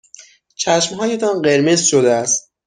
چشمهایتان قرمز شده است.